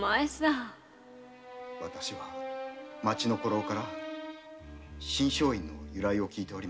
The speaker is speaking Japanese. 私は町の古老から信松院の由来を聞いておりました。